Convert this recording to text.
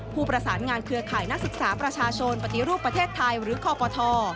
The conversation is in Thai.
ผู้ประสานงานเครือข่ายนักศึกษาประชาชนปฏิรูปประเทศไทยหรือคอปท